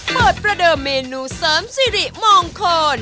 แปดประเดิมเมนูเสิร์มซีริมองโคน